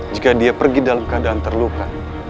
jika dia pergi dalam keadaan terluka